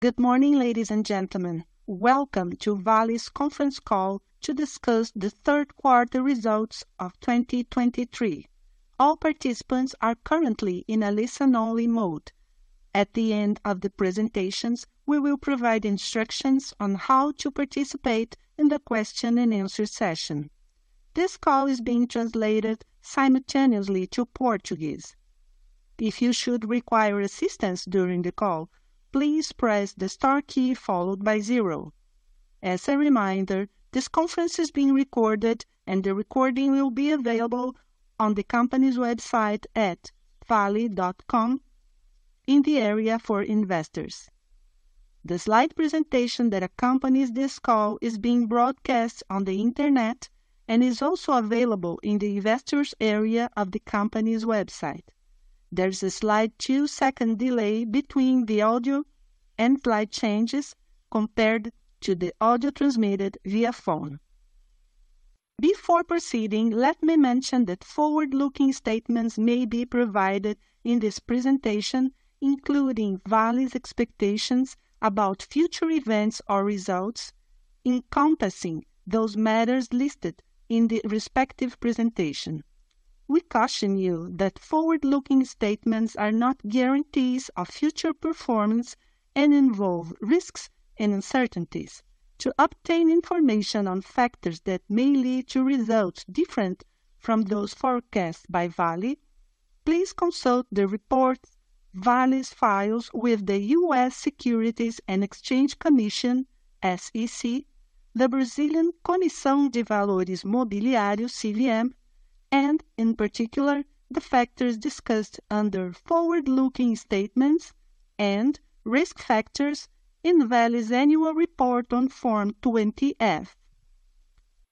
Good morning, ladies and gentlemen. Welcome to Vale's conference call to discuss the Q3 results of 2023. All participants are currently in a listen-only mode. At the end of the presentations, we will provide instructions on how to participate in the question and answer session. This call is being translated simultaneously to Portuguese. If you should require assistance during the call, please press the star key followed by zero. As a reminder, this conference is being recorded, and the recording will be available on the company's website at vale.com in the area for investors. The slide presentation that accompanies this call is being broadcast on the Internet and is also available in the Investors area of the company's website. There's a slight two-second delay between the audio and slide changes compared to the audio transmitted via phone. Before proceeding, let me mention that forward-looking statements may be provided in this presentation, including Vale's expectations about future events or results, encompassing those matters listed in the respective presentation. We caution you that forward-looking statements are not guarantees of future performance and involve risks and uncertainties. To obtain information on factors that may lead to results different from those forecasts by Vale, please consult the reports Vale files with the U.S. Securities and Exchange Commission, SEC, the Brazilian Comissão de Valores Mobiliários, CVM, and in particular, the factors discussed under forward-looking statements and risk factors in Vale's Annual Report on Form 20-F.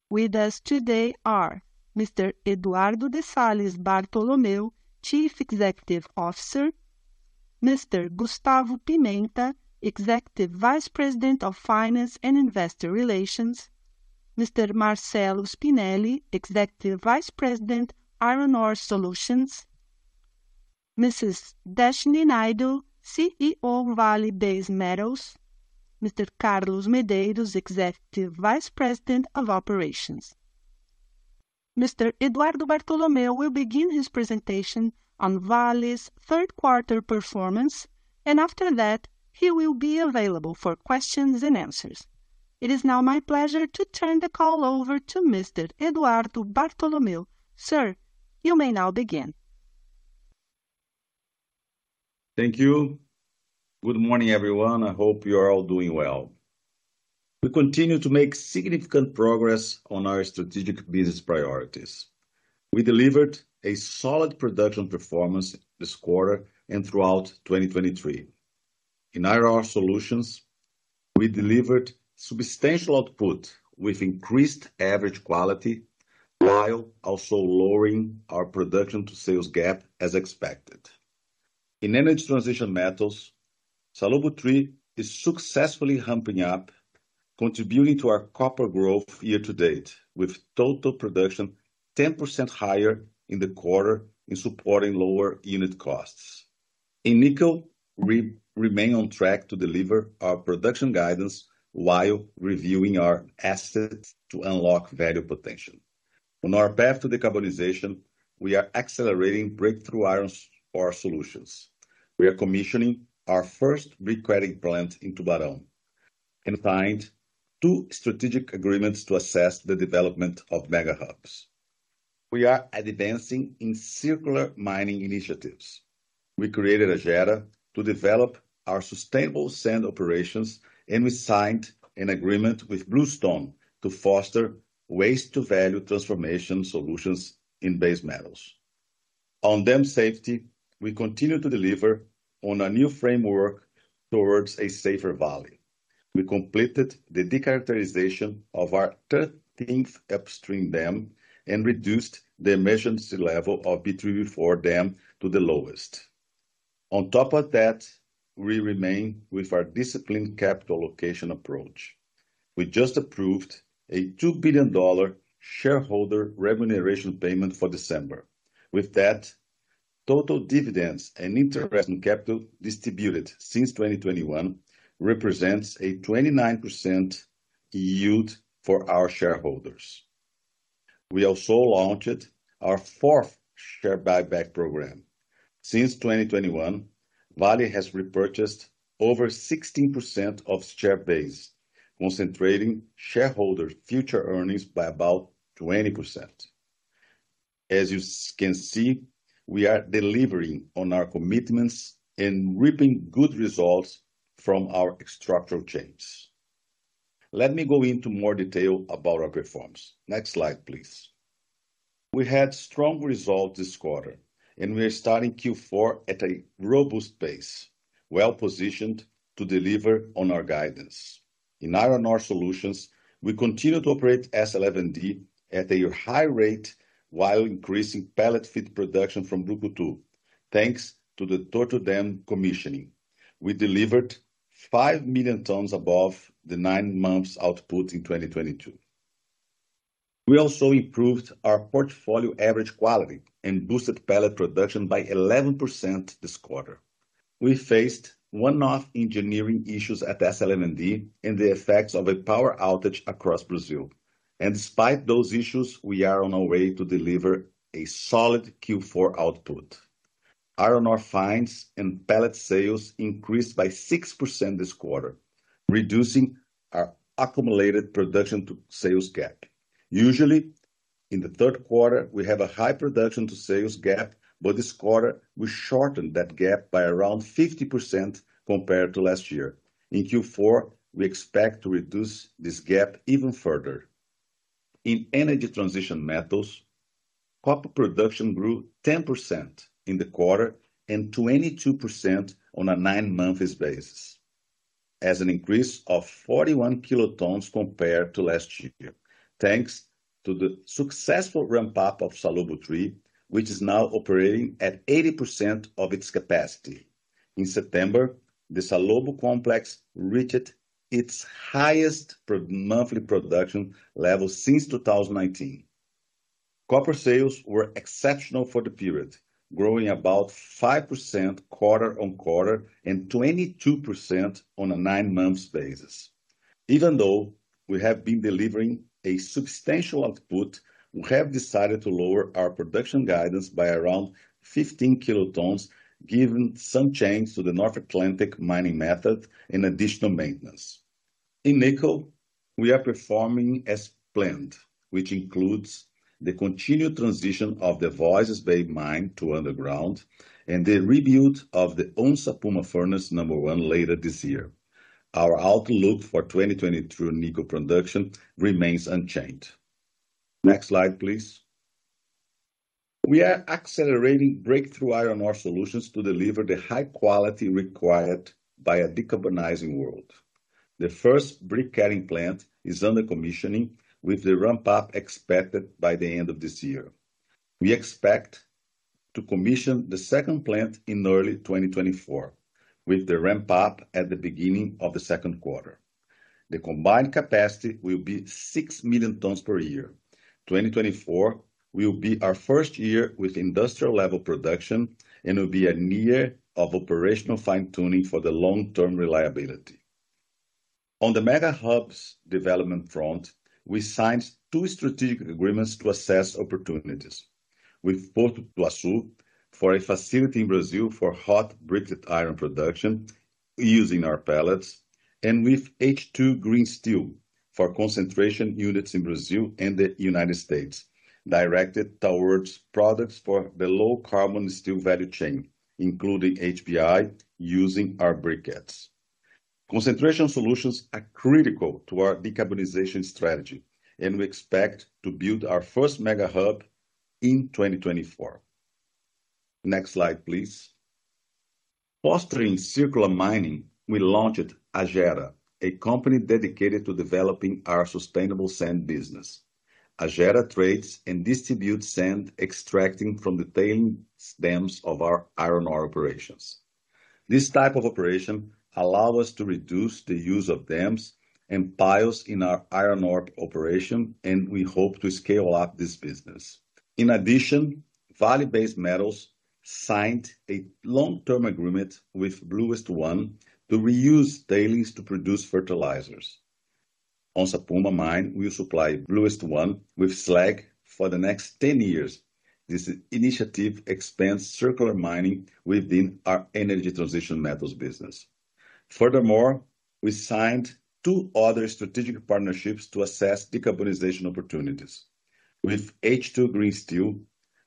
With us today are Mr. Eduardo de Salles Bartolomeo, Chief Executive Officer, Mr. Gustavo Pimenta, Executive Vice President of Finance and Investor Relations, Mr. Marcello Spinelli, Executive Vice President, Iron Ore Solutions, Mrs. Deshnee Naidoo, CEO, Vale Base Metals, Mr. Carlos Medeiros, Executive Vice President of Operations. Mr. Eduardo Bartolomeo will begin his presentation on Vale's Q3 performance, and after that, he will be available for questions and answers. It is now my pleasure to turn the call over to Mr. Eduardo Bartolomeo. Sir, you may now begin. Thank you. Good morning, everyone. I hope you are all doing well. We continue to make significant progress on our strategic business priorities. We delivered a solid production performance this quarter and throughout 2023. In Iron Ore Solutions, we delivered substantial output with increased average quality, while also lowering our production to sales gap as expected. In Energy Transition Metals, Salobo III is successfully ramping up, contributing to our copper growth year to date, with total production 10% higher in the quarter in supporting lower unit costs. In Nickel, we remain on track to deliver our production guidance while reviewing our assets to unlock value potential. On our path to decarbonization, we are accelerating breakthrough iron ore solutions. We are commissioning our first briquetting plant in Tubarão, and signed two strategic agreements to assess the development of mega hubs. We are advancing in circular mining initiatives. We created Agera to develop our sustainable sand operations, and we signed an agreement with Bluestone to foster waste to value transformation solutions in base metals. On dam safety, we continue to deliver on a new framework towards a safer Vale. We completed the decharacterization of our 13th upstream dam and reduced the emergency level of B3, B4 dam to the lowest. On top of that, we remain with our disciplined capital allocation approach. We just approved a $2 billion shareholder remuneration payment for December. With that, total dividends and interest on capital distributed since 2021 represents a 29% yield for our shareholders. We also launched our fourth share buyback program. Since 2021, Vale has repurchased over 16% of share base, concentrating shareholder future earnings by about 20%. As you can see, we are delivering on our commitments and reaping good results from our structural changes. Let me go into more detail about our performance. Next slide, please. We had strong results this quarter, and we are starting Q4 at a robust pace, well-positioned to deliver on our guidance. In Iron Ore Solutions, we continue to operate S11D at a high rate while increasing pellet feed production from Brucutu II, thanks to the Torto dam commissioning. We delivered 5 million tons above the nine months output in 2022. We also improved our portfolio average quality and boosted pellet production by 11% this quarter. We faced one-off engineering issues at S11D and the effects of a power outage across Brazil. And despite those issues, we are on our way to deliver a solid Q4 output. Iron ore fines and pellet sales increased by 6% this quarter, reducing our accumulated production to sales gap. Usually, in the Q3, we have a high production to sales gap, but this quarter we shortened that gap by around 50% compared to last year. In Q4, we expect to reduce this gap even further. In Energy Transition Methods, copper production grew 10% in the quarter and 22% on a nine-month basis, as an increase of 41 kilotons compared to last year, thanks to the successful ramp up of Salobo-III, which is now operating at 80% of its capacity. In September, the Salobo complex reached its highest monthly production level since 2019. Copper sales were exceptional for the period, growing about 5% quarter-on-quarter and 22% on a nine-month basis. Even though we have been delivering a substantial output, we have decided to lower our production guidance by around 15 kilotons, given some change to the North Atlantic mining method and additional maintenance. In nickel, we are performing as planned, which includes the continued transition of the Voisey's Bay mine to underground and the rebuild of the Onça Puma Furnace number one later this year. Our outlook for 2023 nickel production remains unchanged. Next slide, please. We are accelerating breakthrough iron ore solutions to deliver the high quality required by a decarbonizing world. The first briquetting plant is under commissioning, with the ramp up expected by the end of this year. We expect to commission the second plant in early 2024, with the ramp up at the beginning of the second quarter. The combined capacity will be 6 million tons per year. 2024 will be our first year with industrial level production and will be a year of operational fine-tuning for the long-term reliability. On the Mega Hubs development front, we signed two strategic agreements to assess opportunities. With Porto do Açu, for a facility in Brazil for hot briquetted iron production using our pellets, and with H2 Green Steel, for concentration units in Brazil and the United States, directed towards products for the low carbon steel value chain, including HBI, using our briquettes. Concentration solutions are critical to our decarbonization strategy, and we expect to build our first Mega Hub in 2024. Next slide, please. Fostering circular mining, we launched Agera, a company dedicated to developing our sustainable sand business. Agera trades and distributes sand extracting from the tailing dams of our iron ore operations. This type of operation allow us to reduce the use of dams and piles in our iron ore operation, and we hope to scale up this business. In addition, Vale Base Metals signed a long-term agreement with Bluestone to reuse tailings to produce fertilizers. Onça Puma mine will supply Bluestone with slag for the next 10 years. This initiative expands circular mining within our energy transition metals business. Furthermore, we signed two other strategic partnerships to assess decarbonization opportunities. With H2 Green Steel,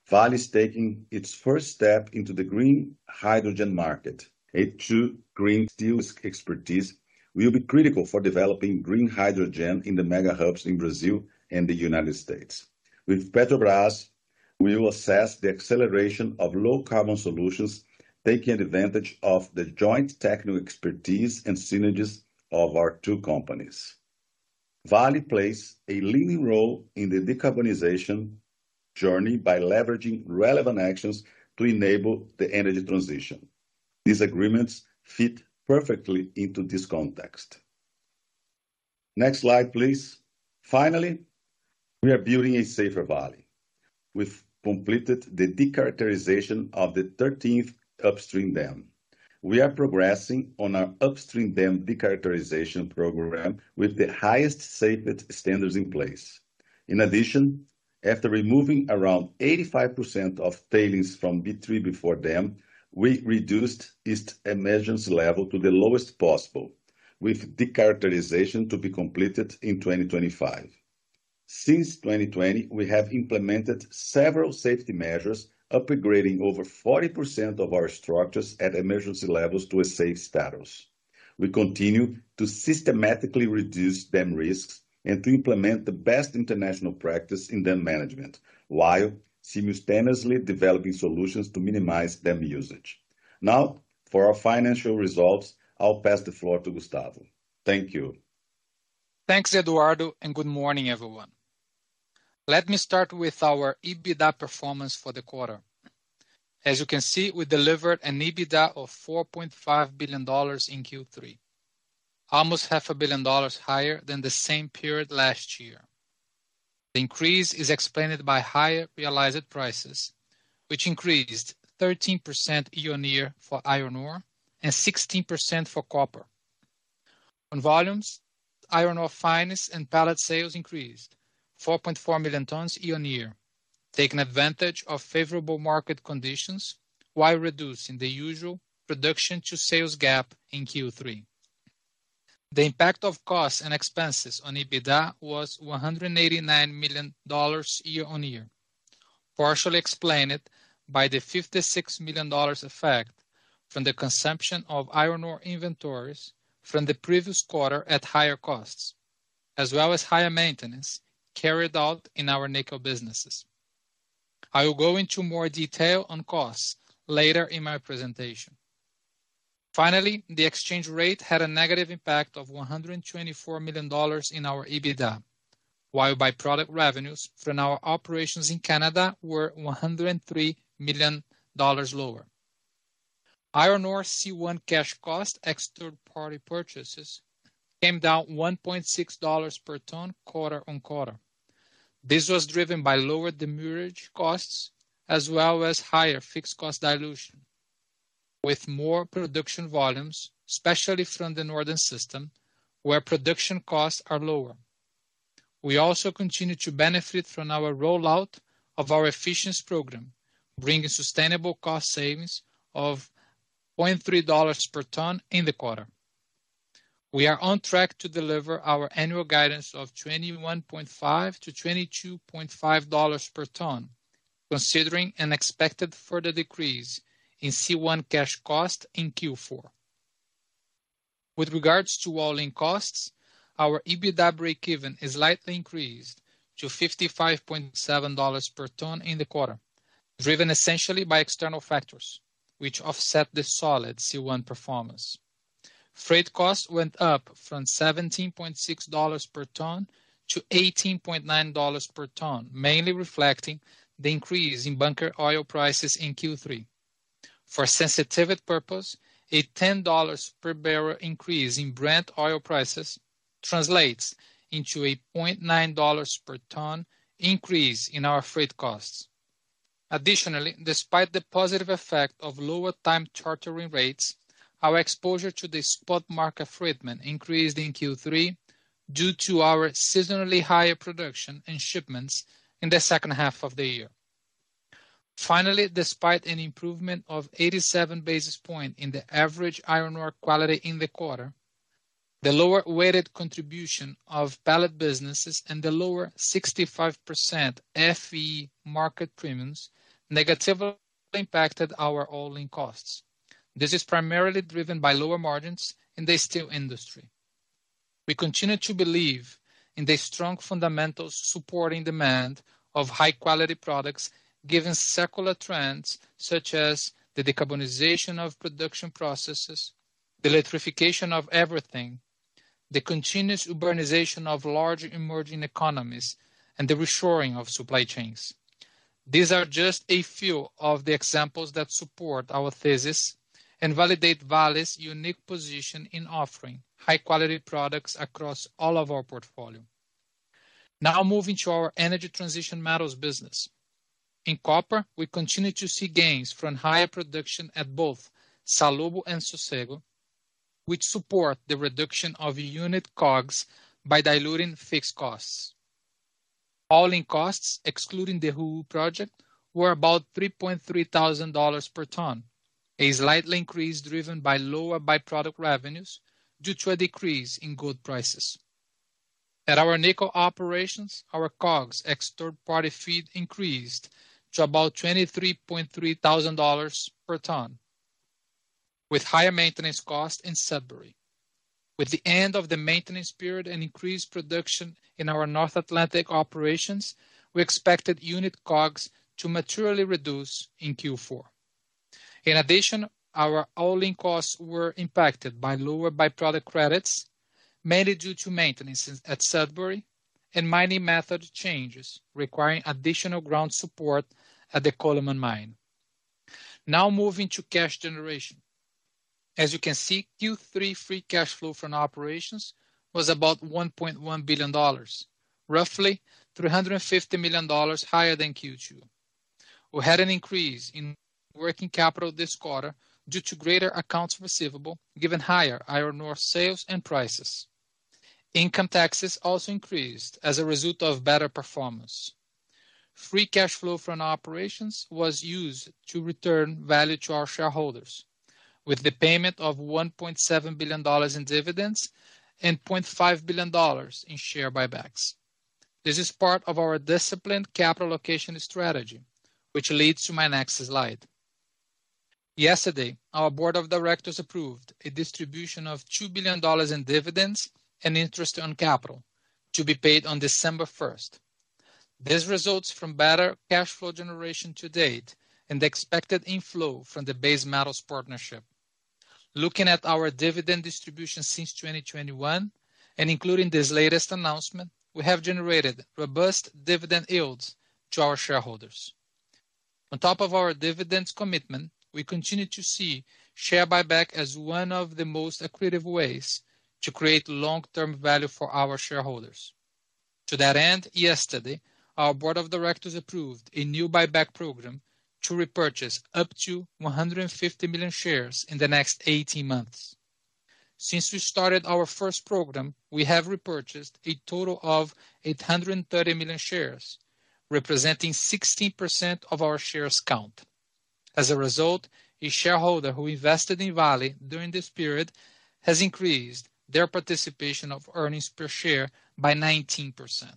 Vale is taking its first step into the green hydrogen market. H2 Green Steel's expertise will be critical for developing green hydrogen in the Mega Hubs in Brazil and the United States. With Petrobras, we will assess the acceleration of low carbon solutions, taking advantage of the joint technical expertise and synergies of our two companies. Vale plays a leading role in the decarbonization journey by leveraging relevant actions to enable the energy transition. These agreements fit perfectly into this context. Next slide, please. Finally, we are building a safer Vale. We've completed the decharacterization of the 13th upstream dam. We are progressing on our upstream dam decharacterization program with the highest safety standards in place. In addition, after removing around 85% of tailings from B3/B4 dam, we reduced its emergency level to the lowest possible, with decharacterization to be completed in 2025. Since 2020, we have implemented several safety measures, upgrading over 40% of our structures at emergency levels to a safe status. We continue to systematically reduce dam risks and to implement the best international practice in dam management, while simultaneously developing solutions to minimize dam usage. Now, for our financial results, I'll pass the floor to Gustavo. Thank you. Thanks, Eduardo, and good morning, everyone. Let me start with our EBITDA performance for the quarter. As you can see, we delivered an EBITDA of $4.5 billion in Q3, almost $500 million higher than the same period last year. The increase is explained by higher realized prices, which increased 13% year-on-year for iron ore and 16% for copper. On volumes, iron ore fines and pellet sales increased 4.4 million tons year-on-year, taking advantage of favorable market conditions while reducing the usual production to sales gap in Q3. The impact of costs and expenses on EBITDA was $189 million year-on-year, partially explained by the $56 million effect from the consumption of iron ore inventories from the previous quarter at higher costs, as well as higher maintenance carried out in our nickel businesses. I will go into more detail on costs later in my presentation. Finally, the exchange rate had a negative impact of $124 million in our EBITDA, while by-product revenues from our operations in Canada were $103 million lower. Iron ore C1 cash cost, ex third-party purchases, came down $1.6 per ton quarter-on-quarter. This was driven by lower demurrage costs, as well as higher fixed cost dilution, with more production volumes, especially from the northern system, where production costs are lower. We also continue to benefit from our rollout of our efficiency program, bringing sustainable cost savings of $0.3 per ton in the quarter. We are on track to deliver our annual guidance of $21.5-$22.5 per ton, considering an expected further decrease in C1 cash cost in Q4. With regards to all-in costs, our EBITDA breakeven is slightly increased to $55.7 per ton in the quarter, driven essentially by external factors, which offset the solid C1 performance. Freight costs went up from $17.6 per ton to $18.9 per ton, mainly reflecting the increase in bunker oil prices in Q3. For sensitivity purposes, a $10 per barrel increase in Brent oil prices translates into a $0.9 per ton increase in our freight costs. Additionally, despite the positive effect of lower time chartering rates, our exposure to the spot market freight increased in Q3 due to our seasonally higher production and shipments in the second half of the year. Finally, despite an improvement of 87 basis points in the average iron ore quality in the quarter, the lower weighted contribution of pellet businesses and the lower 65% Fe market premiums negatively impacted our all-in costs. This is primarily driven by lower margins in the steel industry. We continue to believe in the strong fundamentals supporting demand of high-quality products, given secular trends such as the decarbonization of production processes, the electrification of everything, the continuous urbanization of large emerging economies, and the reshoring of supply chains. These are just a few of the examples that support our thesis and validate Vale's unique position in offering high-quality products across all of our portfolio. Now, moving to our energy transition metals business. In copper, we continue to see gains from higher production at both Salobo and Sossego, which support the reduction of unit COGS by diluting fixed costs. All-in costs, excluding the Hu'u project, were about $3.3 thousand per ton, a slight increase driven by lower by-product revenues due to a decrease in gold prices. At our nickel operations, our COGS, ex third-party feed, increased to about $23.3 thousand per ton, with higher maintenance costs in Sudbury. With the end of the maintenance period and increased production in our North Atlantic operations, we expected unit COGS to materially reduce in Q4. In addition, our all-in costs were impacted by lower by-product credits, mainly due to maintenance at Sudbury and mining method changes, requiring additional ground support at the Coleman Mine. Now moving to cash generation. As you can see, Q3 free cash flow from operations was about $1.1 billion, roughly $350 million higher than Q2. We had an increase in working capital this quarter due to greater accounts receivable, given higher iron ore sales and prices. Income taxes also increased as a result of better performance. Free cash flow from operations was used to return value to our shareholders, with the payment of $1.7 billion in dividends and $0.5 billion in share buybacks. This is part of our disciplined capital allocation strategy, which leads to my next slide. Yesterday, our board of directors approved a distribution of $2 billion in dividends and interest on capital to be paid on December first. This results from better cash flow generation to date and the expected inflow from the base metals partnership.... Looking at our dividend distribution since 2021, and including this latest announcement, we have generated robust dividend yields to our shareholders. On top of our dividends commitment, we continue to see share buyback as one of the most accretive ways to create long-term value for our shareholders. To that end, yesterday, our board of directors approved a new buyback program to repurchase up to 150 million shares in the next 18 months. Since we started our first program, we have repurchased a total of 830 million shares, representing 16% of our shares count. As a result, a shareholder who invested in Vale during this period has increased their participation of earnings per share by 19%.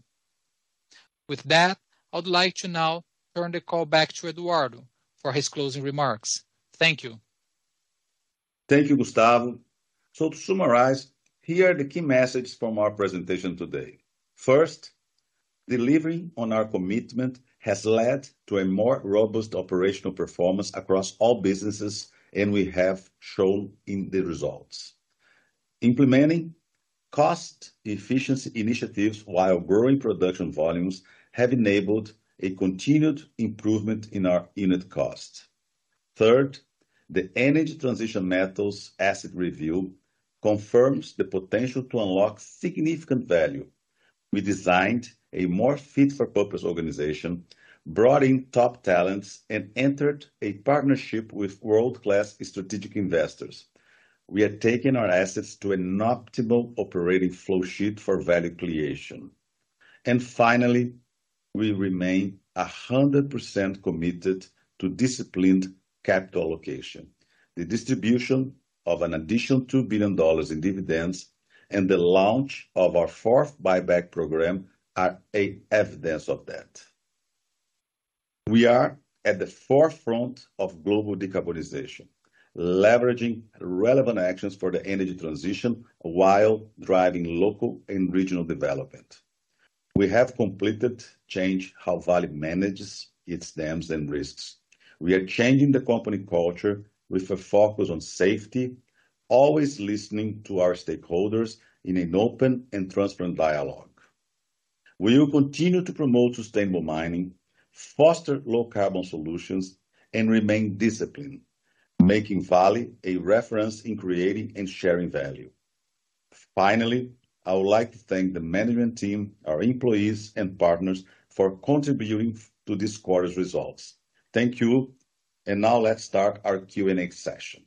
With that, I would like to now turn the call back to Eduardo for his closing remarks. Thank you. Thank you, Gustavo. So to summarize, here are the key messages from our presentation today. First, delivering on our commitment has led to a more robust operational performance across all businesses, and we have shown in the results. Implementing cost efficiency initiatives while growing production volumes, have enabled a continued improvement in our unit costs. Third, the energy transition metals asset review confirms the potential to unlock significant value. We designed a more fit-for-purpose organization, brought in top talents, and entered a partnership with world-class strategic investors. We are taking our assets to an optimal operating flow sheet for value creation. And finally, we remain 100% committed to disciplined capital allocation. The distribution of an additional $2 billion in dividends and the launch of our fourth buyback program are a evidence of that. We are at the forefront of global decarbonization, leveraging relevant actions for the energy transition while driving local and regional development. We have completed change how Vale manages its dams and risks. We are changing the company culture with a focus on safety, always listening to our stakeholders in an open and transparent dialogue. We will continue to promote sustainable mining, foster low carbon solutions, and remain disciplined, making Vale a reference in creating and sharing value. Finally, I would like to thank the management team, our employees, and partners for contributing to this quarter's results. Thank you. And now let's start our Q&A session.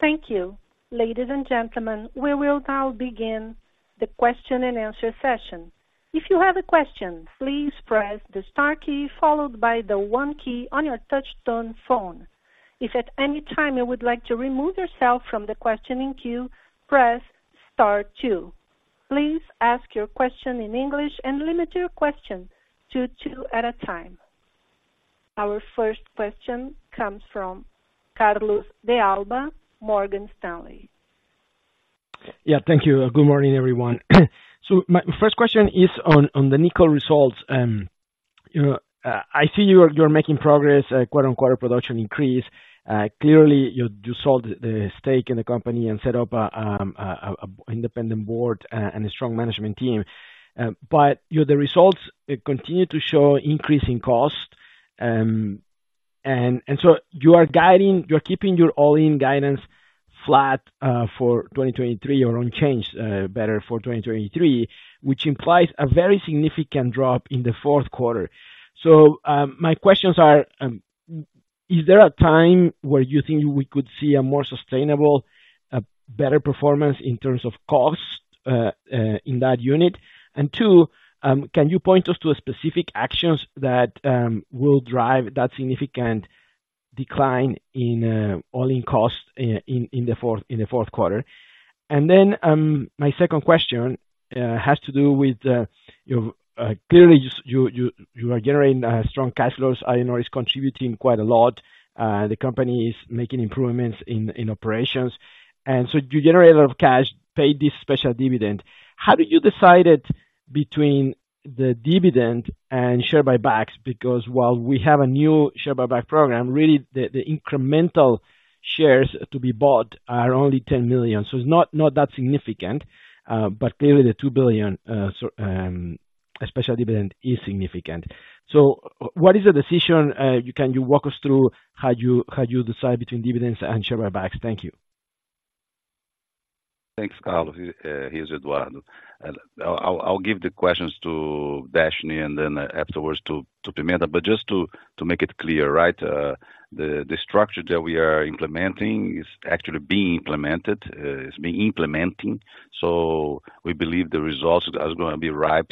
Thank you. Ladies and gentlemen, we will now begin the question and answer session. If you have a question, please press the star key followed by the one key on your touchtone phone. If at any time you would like to remove yourself from the questioning queue, press star two. Please ask your question in English and limit your question to two at a time. Our first question comes from Carlos de Alba, Morgan Stanley. Yeah, thank you. Good morning, everyone. So my first question is on the nickel results. You know, I see you're making progress quarter-on-quarter production increase. Clearly, you sold the stake in the company and set up a a independent board and a strong management team. But you know, the results continue to show increasing costs. And so you are guiding— You're keeping your all-in guidance flat for 2023 or unchanged, better for 2023, which implies a very significant drop in the fourth quarter. So my questions are, is there a time where you think we could see a more sustainable better performance in terms of costs in that unit? And two, can you point us to a specific actions that will drive that significant decline in all-in costs in the fourth quarter? And then, my second question has to do with, you know, clearly, you are generating strong cash flows. I know it's contributing quite a lot. The company is making improvements in operations, and so you generate a lot of cash, pay this special dividend. How did you decide it between the dividend and share buybacks? Because while we have a new share buyback program, really, the incremental shares to be bought are only 10 million, so it's not that significant, but clearly the $2 billion special dividend is significant. So what is the decision? Can you walk us through how you decide between dividends and share buybacks? Thank you. Thanks, Carlos. Here's Eduardo. I'll give the questions to Deshnee and then afterwards to Pimenta. But just to make it clear, right, the structure that we are implementing is actually being implemented. So we believe the results are gonna be right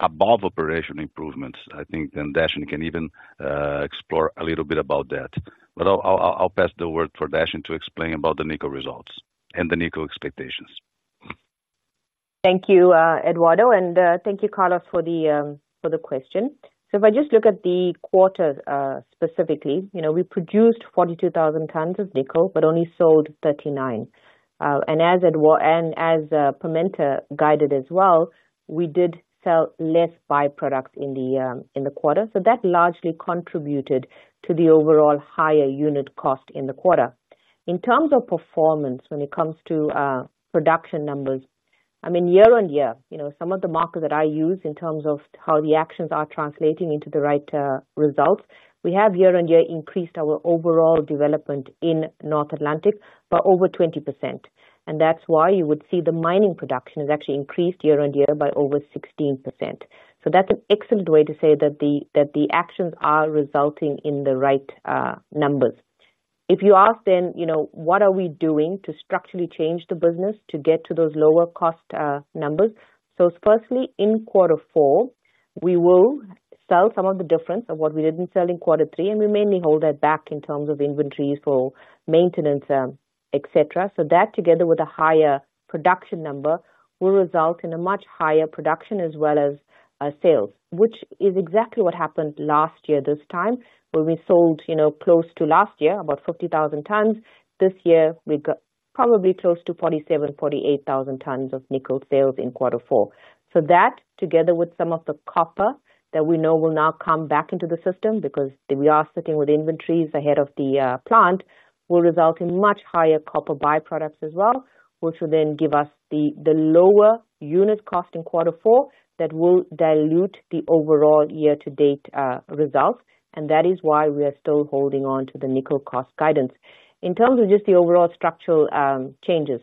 above operational improvements. I think then Deshnee can even explore a little bit about that. But I'll pass the word for Deshnee to explain about the nickel results and the nickel expectations. Thank you, Eduardo, and, thank you, Carlos, for the, for the question. So if I just look at the quarter, specifically, you know, we produced 42,000 tons of nickel, but only sold 39. And as Edu- and as, Pimenta guided as well, we did sell less byproducts in the, in the quarter. So that largely contributed to the overall higher unit cost in the quarter. In terms of performance, when it comes to, production numbers, I mean, year-on-year, you know, some of the markers that I use in terms of how the actions are translating into the right, results, we have year-on-year increased our overall development in North Atlantic by over 20%, and that's why you would see the mining production has actually increased year-on-year by over 16%. So that's an excellent way to say that the actions are resulting in the right numbers. If you ask then, you know, what are we doing to structurally change the business to get to those lower cost numbers? So firstly, in quarter four, we will sell some of the difference of what we didn't sell in quarter three, and we mainly hold that back in terms of inventories for maintenance, et cetera. So that, together with a higher production number, will result in a much higher production as well as sales, which is exactly what happened last year this time, where we sold, you know, close to last year, about 50,000 tons. This year, we got probably close to 47,000-48,000 tons of nickel sales in quarter four. So that, together with some of the copper that we know will now come back into the system, because we are sitting with inventories ahead of the plant, will result in much higher copper byproducts as well, which will then give us the lower unit cost in quarter four that will dilute the overall year to date results. And that is why we are still holding on to the nickel cost guidance. In terms of just the overall structural changes,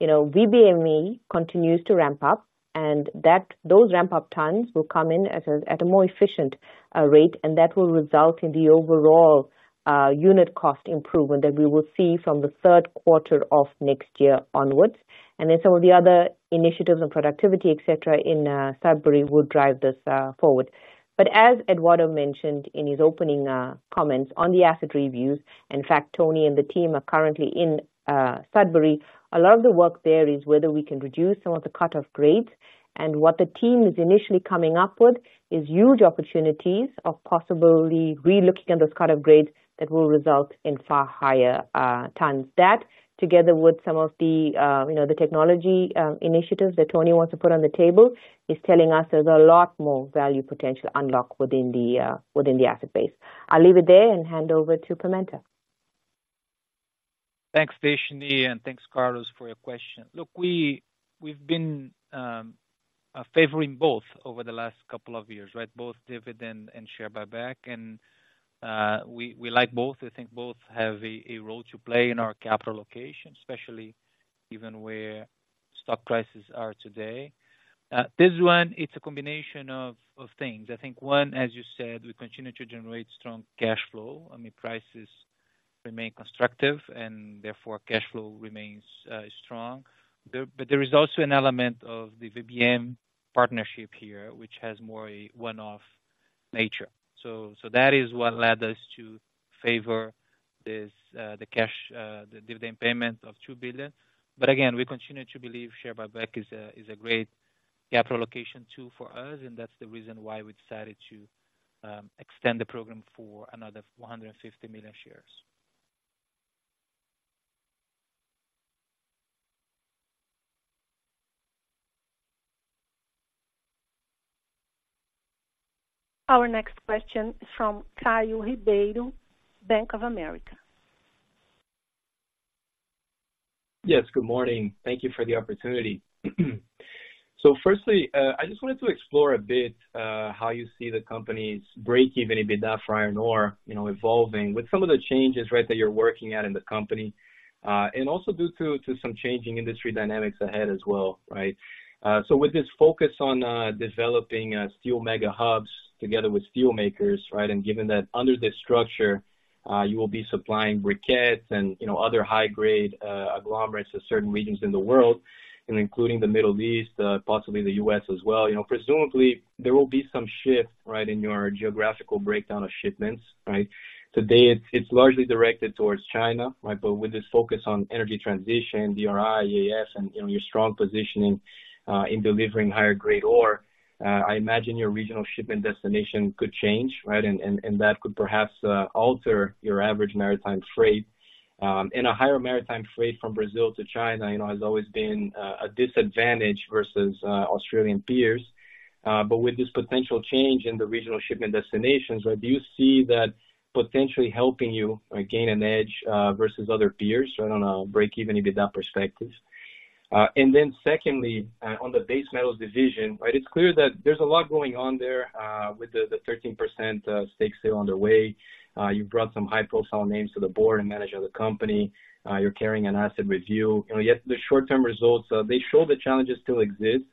you know, VBM continues to ramp up, and that, those ramp-up times will come in at a more efficient rate, and that will result in the overall unit cost improvement that we will see from the Q3 of next year onwards. And then some of the other initiatives on productivity, et cetera, in Sudbury will drive this forward. But as Eduardo mentioned in his opening comments on the asset reviews, in fact, Tony and the team are currently in Sudbury. A lot of the work there is whether we can reduce some of the cut-off grades, and what the team is initially coming up with is huge opportunities of possibly relooking at those cut-off grades that will result in far higher tons. That, together with some of the you know the technology initiatives that Tony wants to put on the table, is telling us there's a lot more value potential unlocked within the within the asset base. I'll leave it there and hand over to Pimenta. Thanks, Deshnee, and thanks, Carlos, for your question. Look, we, we've been favoring both over the last couple of years, right? Both dividend and share buyback. And, we, we like both. We think both have a role to play in our capital location, especially given where stock prices are today. This one, it's a combination of things. I think one, as you said, we continue to generate strong cashflow. I mean, prices remain constructive, and therefore cashflow remains strong. But there is also an element of the VBM partnership here, which has more a one-off nature. So, that is what led us to favor this, the cash, the dividend payment of $2 billion. But again, we continue to believe share buyback is a great capital location tool for us, and that's the reason why we decided to extend the program for another 150 million shares. Our next question is from Caio Ribeiro, Bank of America. Yes, good morning. Thank you for the opportunity. Firstly, I just wanted to explore a bit how you see the company's breakeven EBITDA for iron ore, you know, evolving with some of the changes that you're working at in the company, and also due to some changing industry dynamics ahead as well, right? With this focus on developing steel mega hubs together with steel makers, right? And given that under this structure, you will be supplying briquettes and, you know, other high grade agglomerates to certain regions in the world, including the Middle East, possibly the US as well, you know, presumably there will be some shift in your geographical breakdown of shipments, right? Today, it's largely directed towards China, right? But with this focus on energy transition, DRI, EAF, and, you know, your strong positioning in delivering higher grade ore, I imagine your regional shipment destination could change, right? And, and, and that could perhaps alter your average maritime freight. And a higher maritime freight from Brazil to China, you know, has always been a disadvantage versus Australian peers. But with this potential change in the regional shipment destinations, right, do you see that potentially helping you, like, gain an edge versus other peers on a breakeven EBITDA perspectives? And then secondly, on the base metals division, right, it's clear that there's a lot going on there with the, the 13% stake sale on the way. You brought some high-profile names to the board and management of the company. You're carrying an asset review. You know, yet the short-term results, they show the challenges still exist,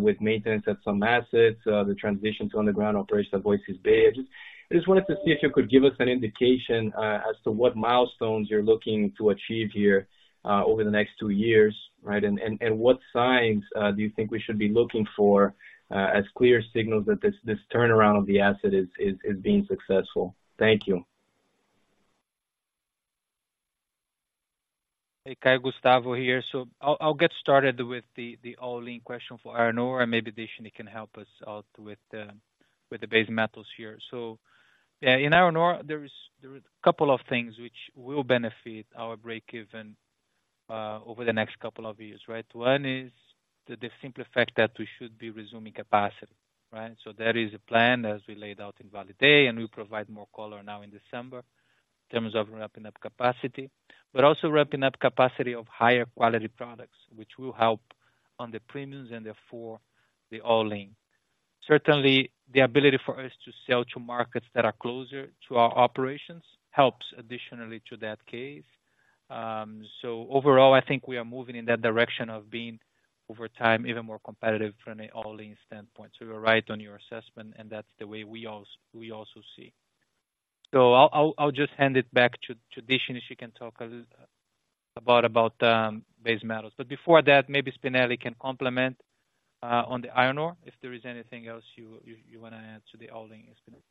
with maintenance at some assets, the transition to underground operations at Voisey's Bay. I just, I just wanted to see if you could give us an indication, as to what milestones you're looking to achieve here, over the next two years, right? And, and, and what signs, do you think we should be looking for, as clear signals that this, this turnaround of the asset is, is, is being successful? Thank you.... Hey, Caio, Gustavo here. So I'll, I'll get started with the, the all-in question for iron ore, and maybe Deshnee can help us out with the, with the base metals here. So, yeah, in iron ore, there is—there are a couple of things which will benefit our breakeven over the next couple of years, right? One is the, the simple fact that we should be resuming capacity, right? So there is a plan, as we laid out in Vale Day, and we'll provide more color now in December, in terms of ramping up capacity. But also ramping up capacity of higher quality products, which will help on the premiums and therefore the all-in. Certainly, the ability for us to sell to markets that are closer to our operations helps additionally to that case. So overall, I think we are moving in that direction of being, over time, even more competitive from an all-in standpoint. So you're right on your assessment, and that's the way we also see. So I'll just hand it back to Deshnee. She can talk about base metals. But before that, maybe Spinelli can complement on the iron ore, if there is anything else you wanna add to the all-in, Spinelli.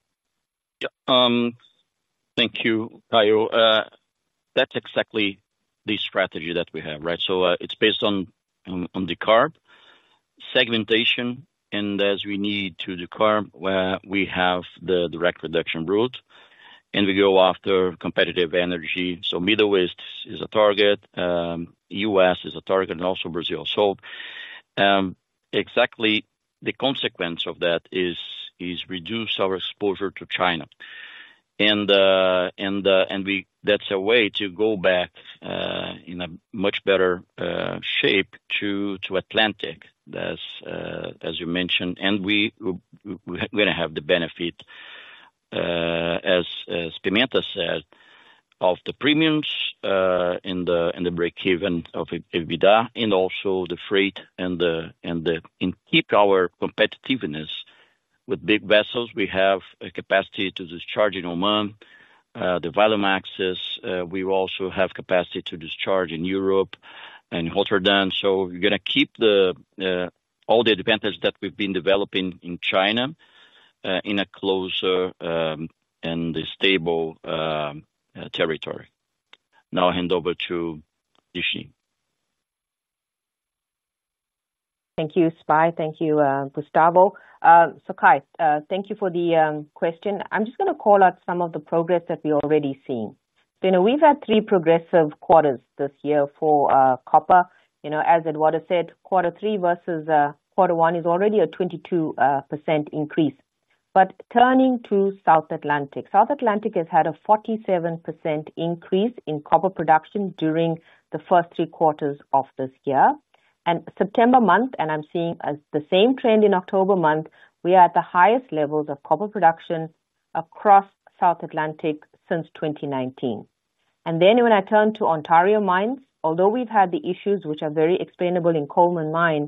Yeah. Thank you, Caio. That's exactly the strategy that we have, right? So, it's based on the Carajás segmentation, and as we need to the Carajás, where we have the direct reduction route, and we go after competitive energy. So Middle East is a target, US is a target, and also Brazil. So, exactly the consequence of that is reduce our exposure to China. And, and we-- that's a way to go back in a much better shape to Atlantic, as you mentioned. And we, we're gonna have the benefit, as Pimenta said, of the premiums, and the breakeven of EBITDA and also the freight and the... And keep our competitiveness. With big vessels, we have a capacity to discharge in Oman, the Valemax, we also have capacity to discharge in Europe and Rotterdam. So we're gonna keep all the advantages that we've been developing in China, in a closer and a stable territory. Now I hand over to Deshnee. Thank you, Spy. Thank you, Gustavo. So Ciao, thank you for the question. I'm just gonna call out some of the progress that we've already seen. You know, we've had three progressive quarters this year for copper. You know, as Eduardo said, quarter three versus quarter one is already a 22% increase. But turning to South Atlantic. South Atlantic has had a 47% increase in copper production during the first three quarters of this year. And September month, and I'm seeing the same trend in October month, we are at the highest levels of copper production across South Atlantic since 2019. And then when I turn to Ontario mines, although we've had the issues which are very explainable in Coleman Mine,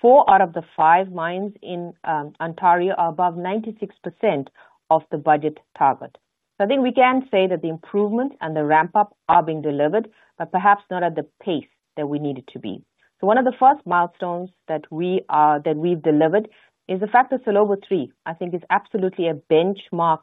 four out of the five mines in Ontario are above 96% of the budget target. So I think we can say that the improvement and the ramp-up are being delivered, but perhaps not at the pace that we need it to be. So one of the first milestones that we are-- that we've delivered, is the fact that Salobo III, I think, is absolutely a benchmark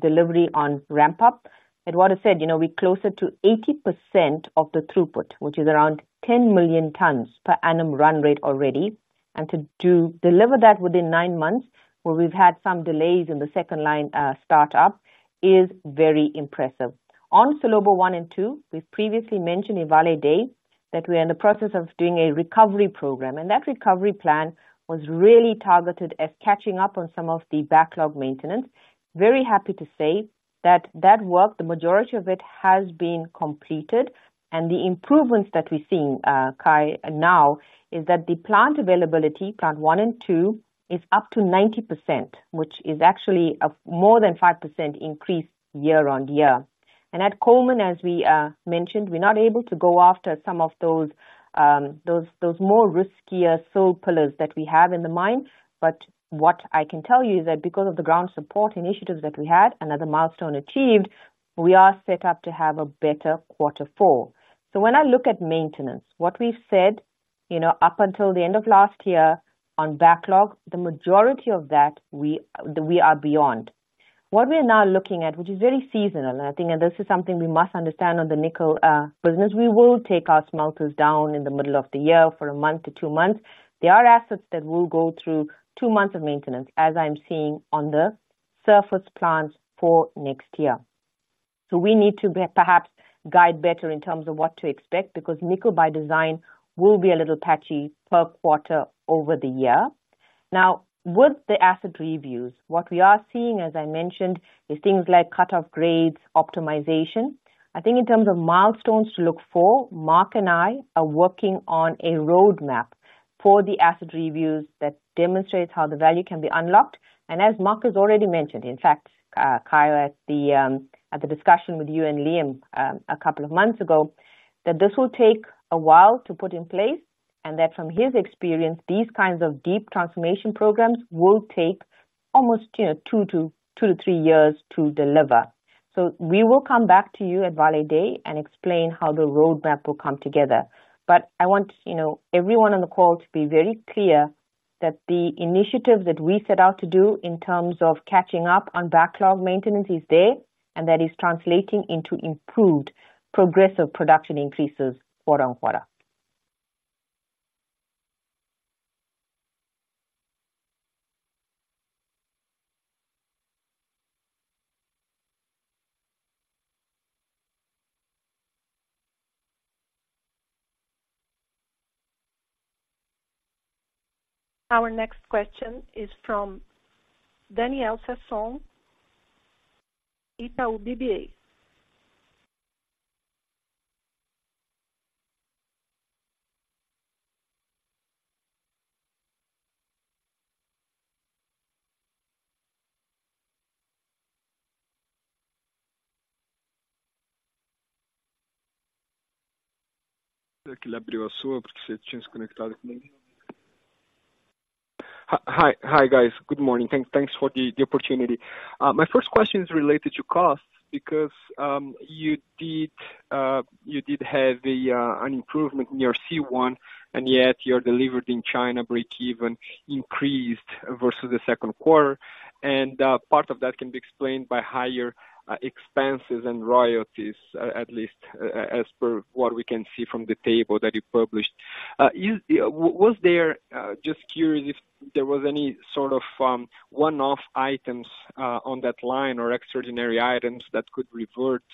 delivery on ramp-up. Eduardo said, you know, we're closer to 80% of the throughput, which is around 10 million tons per annum run rate already. And to do-- deliver that within 9 months, where we've had some delays in the second line start up, is very impressive. On Salobo I and II, we've previously mentioned in Vale Day, that we are in the process of doing a recovery program, and that recovery plan was really targeted as catching up on some of the backlog maintenance. Very happy to say that that work, the majority of it, has been completed, and the improvements that we're seeing, Caio, now, is that the plant availability, plant one and two, is up to 90%, which is actually a more than 5% increase year-on-year. And at Coleman, as we mentioned, we're not able to go after some of those more riskier stope pillars that we have in the mine. But what I can tell you is that because of the ground support initiatives that we had, another milestone achieved, we are set up to have a better quarter four. So when I look at maintenance, what we've said, you know, up until the end of last year on backlog, the majority of that we are beyond. What we are now looking at, which is very seasonal, and I think, and this is something we must understand on the nickel business. We will take our smelters down in the middle of the year for a month to two months. There are assets that will go through two months of maintenance, as I'm seeing on the surface plants for next year. So we need to perhaps guide better in terms of what to expect, because nickel by design will be a little patchy per quarter over the year. Now, with the asset reviews, what we are seeing, as I mentioned, is things like cut-off grades, optimization. I think in terms of milestones to look for, Mark and I are working on a roadmap for the asset reviews that demonstrates how the value can be unlocked. As Mark has already mentioned, in fact, Caio, at the discussion with you and Liam a couple of months ago, that this will take a while to put in place, and that from his experience, these kinds of deep transformation programs will take almost, you know, 2-3 years to deliver. So we will come back to you at Vale Day and explain how the roadmap will come together. But I want, you know, everyone on the call to be very clear that the initiative that we set out to do in terms of catching up on backlog maintenance is there, and that is translating into improved progressive production increases quarter-over-quarter. Our next question is from Daniel Sasson, Itaú BBA. Hi, guys. Good morning. Thanks for the opportunity. My first question is related to costs, because you did have an improvement in your C1, and yet your delivered in China breakeven increased versus the second quarter. And part of that can be explained by higher expenses and royalties, at least as per what we can see from the table that you published. Was there just curious if there was any sort of one-off items on that line or extraordinary items that could revert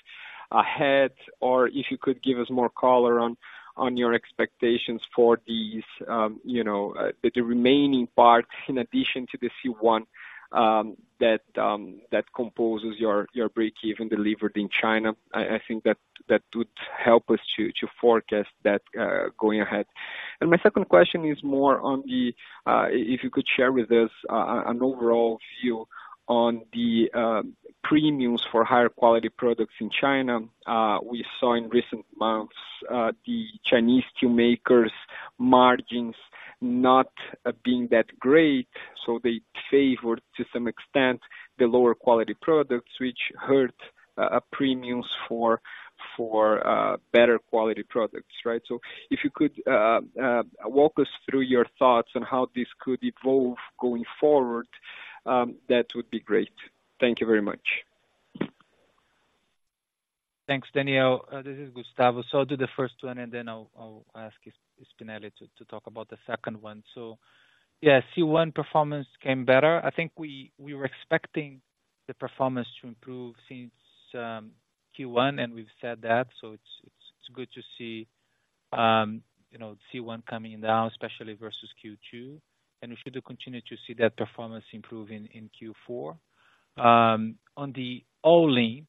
ahead, or if you could give us more color on your expectations for these, you know, the remaining parts in addition to the C1, that composes your breakeven delivered in China? I think that would help us to forecast that going ahead. And my second question is more on the if you could share with us an overall view on the premiums for higher quality products in China. We saw in recent months the Chinese steel makers margins not being that great, so they favored, to some extent, the lower quality products, which hurt premiums for better quality products, right? So if you could walk us through your thoughts on how this could evolve going forward, that would be great. Thank you very much. Thanks, Daniel. This is Gustavo. So I'll do the first one, and then I'll ask Spinelli to talk about the second one. So, yeah, C1 performance came better. I think we were expecting the performance to improve since Q1, and we've said that, so it's good to see, you know, C1 coming down, especially versus Q2, and we should continue to see that performance improving in Q4. On the all in,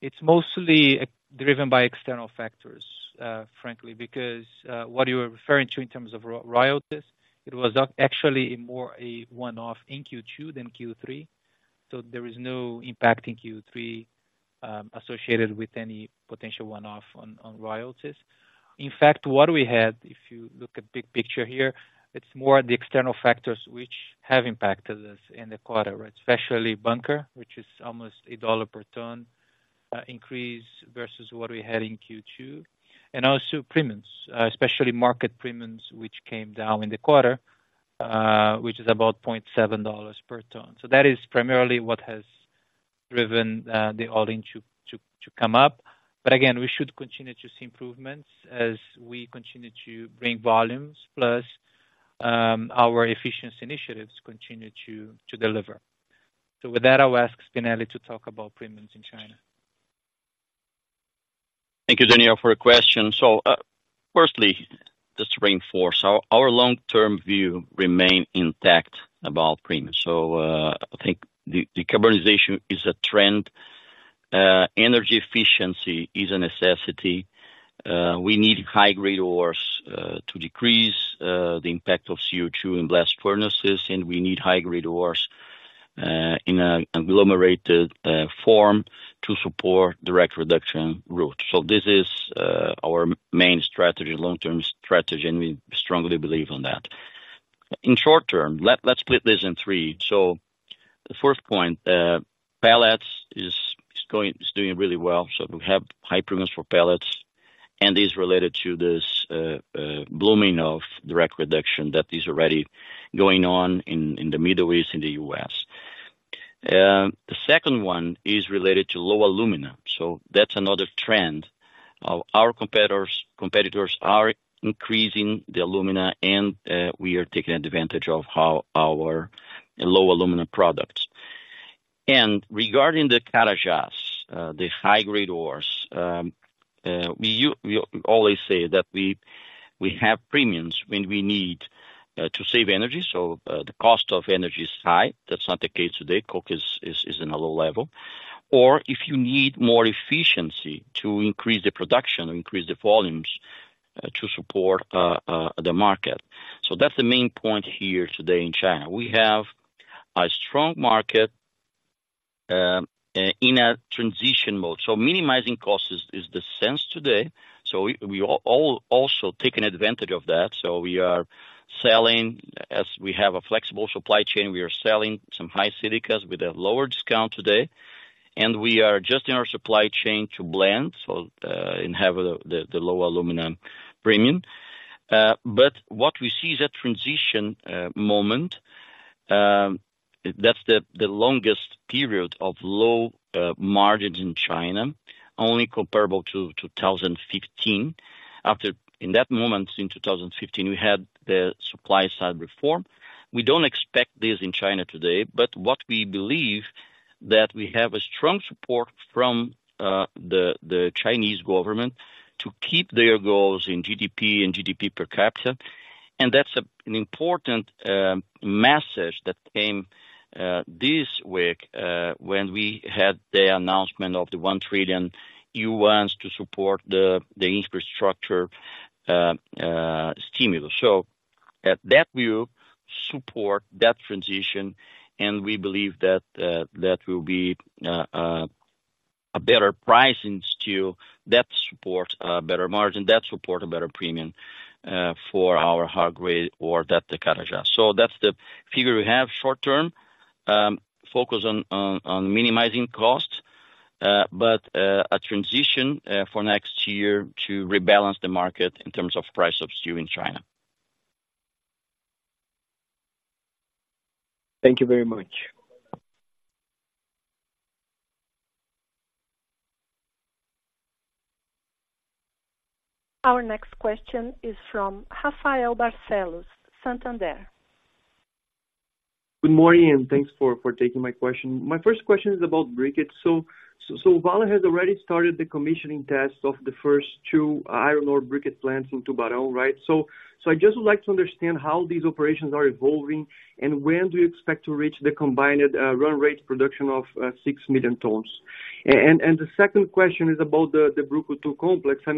it's mostly driven by external factors, frankly, because what you are referring to in terms of royalties, it was actually more a one-off in Q2 than Q3, so there is no impact in Q3, associated with any potential one-off on royalties. In fact, what we had, if you look at big picture here, it's more the external factors which have impacted us in the quarter, especially bunker, which is almost $1 per ton increase versus what we had in Q2, and also premiums, especially market premiums, which came down in the quarter, which is about $0.7 per ton. So that is primarily what has driven the all in to come up. But again, we should continue to see improvements as we continue to bring volumes, plus our efficiency initiatives continue to deliver. So with that, I'll ask Spinelli to talk about premiums in China. Thank you, Daniel, for your question. So, firstly, just to reinforce, our long-term view remain intact about premiums. So, I think the decarbonization is a trend. Energy efficiency is a necessity. We need high-grade ores to decrease the impact of CO2 in blast furnaces, and we need high-grade ores in a agglomerated form to support direct reduction route. So this is our main strategy, long-term strategy, and we strongly believe on that. In short term, let's split this in three. So the first point, pellets is doing really well, so we have high premiums for pellets, and is related to this blooming of direct reduction that is already going on in the Middle East and the U.S. The second one is related to low alumina. So that's another trend. Our competitors are increasing the alumina and we are taking advantage of how our low alumina products. Regarding the Carajás, the high-grade ores, we always say that we have premiums when we need to save energy. So the cost of energy is high. That's not the case today. Coke is in a low level. Or if you need more efficiency to increase the production, increase the volumes to support the market. So that's the main point here today in China. We have a strong market in a transition mode. So minimizing costs is the sense today. So we are all also taking advantage of that. So we are selling... As we have a flexible supply chain, we are selling some high silicas with a lower discount today. And we are adjusting our supply chain to blend, so, and have the low aluminum premium. But what we see is that transition moment, that's the longest period of low margins in China, only comparable to 2015. After, in that moment, in 2015, we had the supply side reform. We don't expect this in China today, but what we believe, that we have a strong support from the Chinese government to keep their goals in GDP and GDP per capita. And that's an important message that came this week when we had the announcement of the 1 trillion yuan to support the infrastructure stimulus. So at that view, support that transition, and we believe that that will be a better pricing steel, that support a better margin, that support a better premium for our high-grade ore that de Carajás. So that's the figure we have short-term focus on minimizing costs, but a transition for next year to rebalance the market in terms of price of steel in China. Thank you very much. Our next question is from Rafael Barcelos, Santander. Good morning, and thanks for taking my question. My first question is about briquettes. So, Vale has already started the commissioning tests of the first two iron ore briquette plants in Tubarão, right? So, I just would like to understand how these operations are evolving, and when do you expect to reach the combined run rate production of 6 million tons? And the second question is about the Brucutu complex. I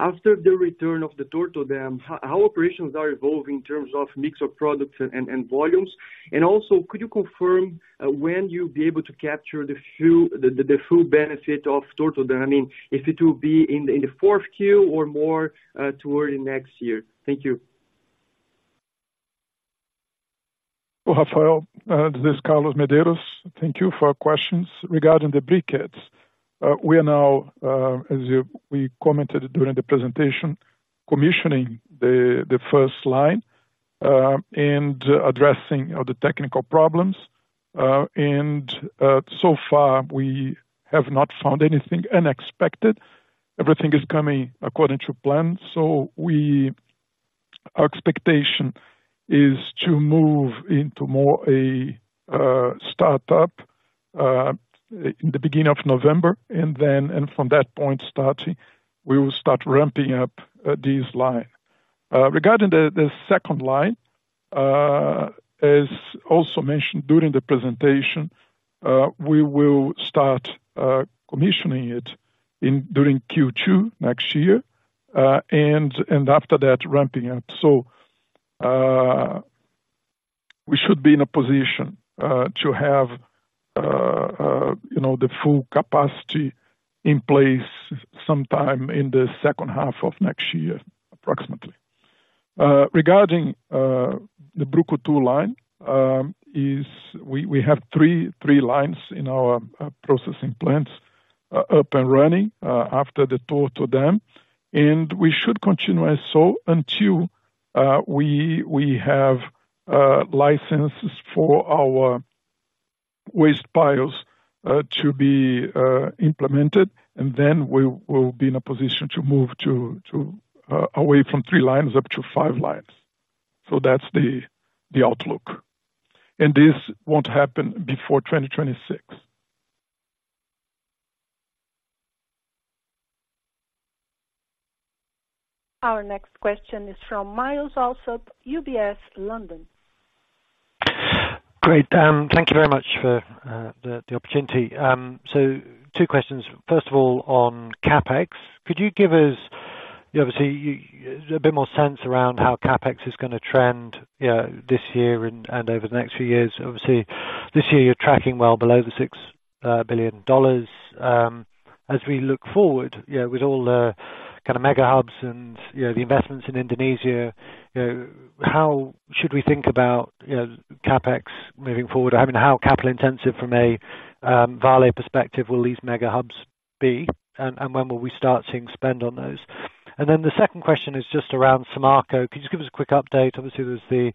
mean, after the return of the Torto dam, how operations are evolving in terms of mix of products and volumes. And also, could you confirm when you'll be able to capture the full benefit of Torto dam? I mean, if it will be in the fourth Q or more toward the next year. Thank you. Well, Rafael, this is Carlos Medeiros. Thank you for your questions regarding the briquettes. We are now, as you, we commented during the presentation, commissioning the first line and addressing all the technical problems, and so far we have not found anything unexpected. Everything is coming according to plan. So, our expectation is to move into more a startup in the beginning of November, and then, and from that point starting, we will start ramping up this line. Regarding the second line, as also mentioned during the presentation, we will start commissioning it in during Q2 next year, and after that, ramping up. So, we should be in a position to have, you know, the full capacity in place sometime in the second half of next year, approximately. Regarding the Brucutu line, we have three lines in our processing plants up and running after the Torto dam, and we should continue as so until we have licenses for our waste piles to be implemented, and then we will be in a position to move away from three lines up to five lines. So that's the outlook. And this won't happen before 2026. Our next question is from Myles Allsop, UBS, London. Great! Thank you very much for the opportunity. So two questions. First of all, on CapEx. Could you give us, you obviously, a bit more sense around how CapEx is gonna trend, you know, this year and over the next few years? Obviously, this year you're tracking well below the $6 billion. As we look forward, you know, with all the kind of mega hubs and, you know, the investments in Indonesia, you know, how should we think about, you know, CapEx moving forward? I mean, how capital intensive from a Vale perspective will these mega hubs be, and when will we start seeing spend on those? And then the second question is just around Samarco. Could you give us a quick update? Obviously, there's the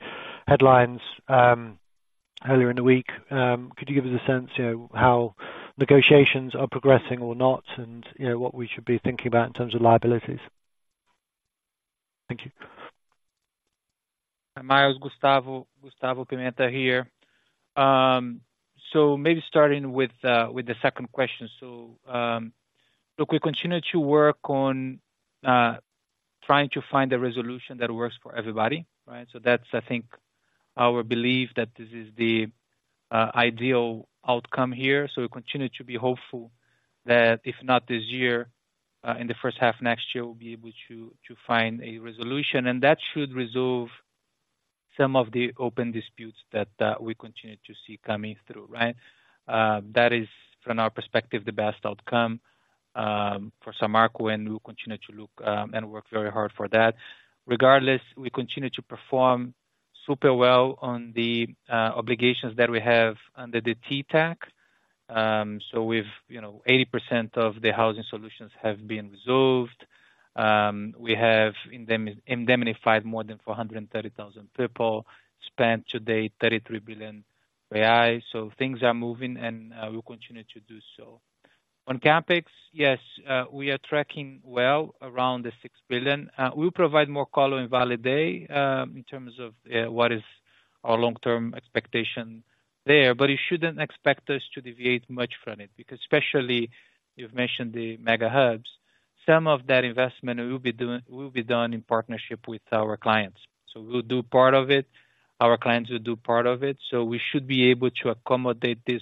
headlines earlier in the week. Could you give us a sense, you know, how negotiations are progressing or not, and, you know, what we should be thinking about in terms of liabilities? Thank you. Myles, Gustavo, Gustavo Pimenta here. So maybe starting with the second question. So look, we continue to work on trying to find a resolution that works for everybody, right? So that's, I think, our belief that this is the ideal outcome here. So we continue to be hopeful that if not this year, in the first half of next year, we'll be able to find a resolution, and that should resolve some of the open disputes that we continue to see coming through, right? That is, from our perspective, the best outcome for Samarco, and we'll continue to look and work very hard for that. Regardless, we continue to perform- ... super well on the, obligations that we have under the TTAC. So we've, you know, 80% of the housing solutions have been resolved. We have indemnified more than 430,000 people, spent to date, 33 billion. So things are moving, and, we'll continue to do so. On CapEx, yes, we are tracking well around the $6 billion. We'll provide more color in Vale Day, in terms of, what is our long-term expectation there. But you shouldn't expect us to deviate much from it, because especially you've mentioned the mega hubs, some of that investment will be done in partnership with our clients. So we'll do part of it, our clients will do part of it, so we should be able to accommodate this,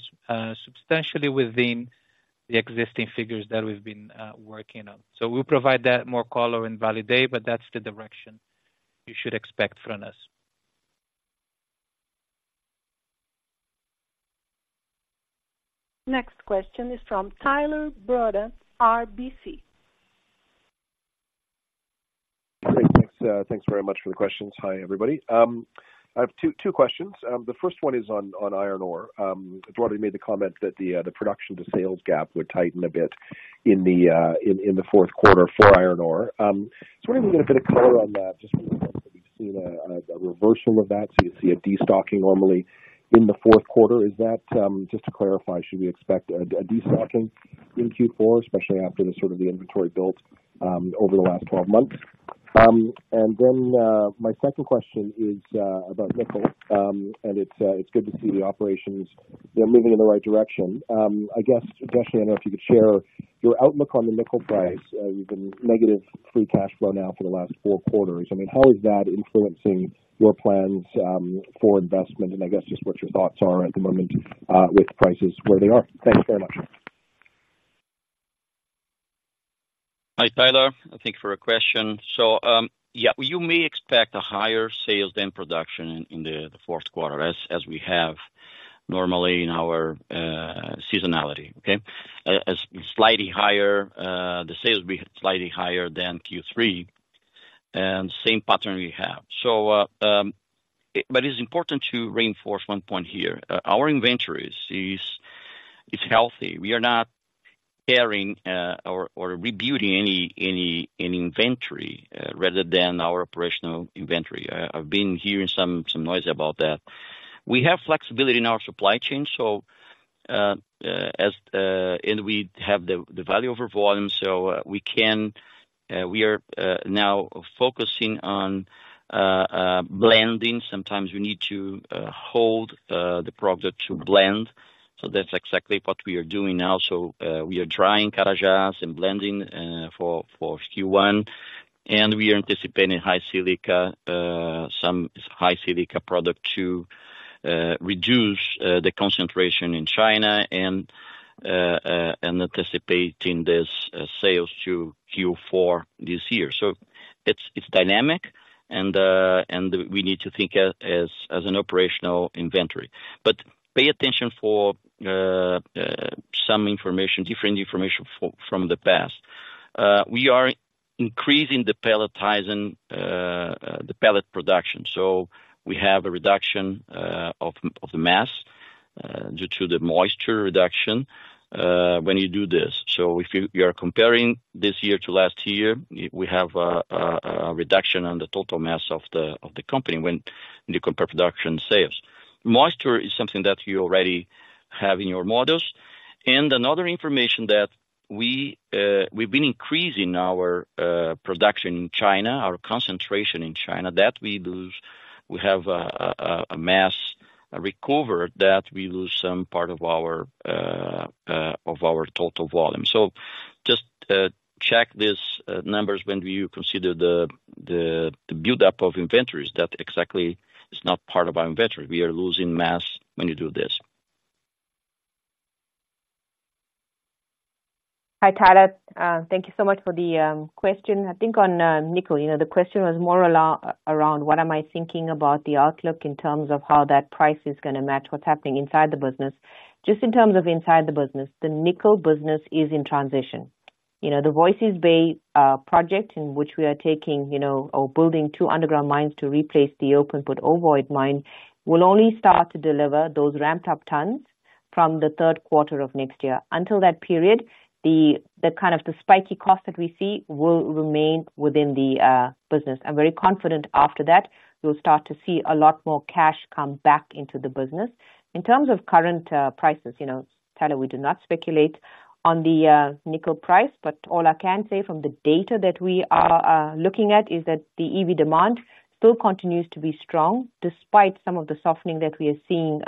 substantially within the existing figures that we've been, working on. So we'll provide that more color and validity, but that's the direction you should expect from us. Next question is from Tyler Broda, RBC. Great, thanks, thanks very much for the questions. Hi, everybody. I have two questions. The first one is on iron ore. Eduardo made the comment that the production to sales gap would tighten a bit in the fourth quarter for iron ore. So I want to get a bit of color on that, just we've seen a reversal of that. So you see a destocking normally in the fourth quarter. Is that just to clarify, should we expect a destocking in Q4, especially after the sort of the inventory built over the last 12 months? And then, my second question is about nickel. And it's good to see the operations; they're moving in the right direction. I guess, Gretchen, I don't know if you could share your outlook on the nickel price. You've been negative free cash flow now for the last four quarters. I mean, how is that influencing your plans, for investment? And I guess just what your thoughts are at the moment, with prices where they are. Thanks very much. Hi, Tyler. Thank you for your question. So, yeah, you may expect a higher sales than production in the fourth quarter, as we have normally in our seasonality, okay? As slightly higher, the sales will be slightly higher than Q3, and same pattern we have. So, but it's important to reinforce one point here. Our inventories is healthy. We are not carrying, or rebuilding any inventory, rather than our operational inventory. I've been hearing some noise about that. We have flexibility in our supply chain, so, as, and we have the value over volume, so, we can, we are now focusing on blending. Sometimes we need to hold the product to blend. So that's exactly what we are doing now. So, we are drying Carajás and blending for Q1, and we are anticipating high silica, some high silica product to reduce the concentration in China and anticipating this sales to Q4 this year. So it's dynamic, and we need to think as an operational inventory. But pay attention for some information, different information from the past. We are increasing the pelletizing, the pellet production, so we have a reduction of the mass due to the moisture reduction when you do this. So if you are comparing this year to last year, we have a reduction on the total mass of the company when you compare production sales. Moisture is something that you already have in your models. Another information that we've been increasing our production in China, our concentration in China, that we lose—we have a mass recovery, that we lose some part of our total volume. Just check these numbers when you consider the buildup of inventories. That exactly is not part of our inventory. We are losing mass when you do this. Hi, Tyler. Thank you so much for the question. I think on nickel, you know, the question was more around what am I thinking about the outlook in terms of how that price is gonna match what's happening inside the business. Just in terms of inside the business, the nickel business is in transition. You know, the Voisey's Bay project, in which we are taking, you know, or building two underground mines to replace the open pit Ovoid mine, will only start to deliver those ramped-up tons from the Q3 of next year. Until that period, the kind of the spiky cost that we see will remain within the business. I'm very confident after that, we'll start to see a lot more cash come back into the business. In terms of current prices, you know, Tyler, we do not speculate on the nickel price, but all I can say from the data that we are looking at is that the EV demand still continues to be strong, despite some of the softening that we are seeing